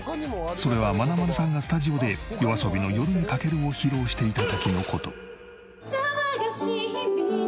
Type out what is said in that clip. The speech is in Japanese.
それはまなまるさんがスタジオでＹＯＡＳＯＢＩの『夜に駆ける』を披露していた時の事。